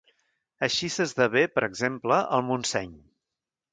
Així s'esdevé, per exemple, al Montseny.